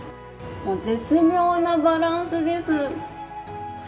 絶妙なバランスです。